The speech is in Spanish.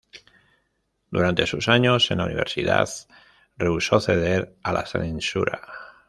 Durante sus años en la universidad, rehusó ceder a la censura.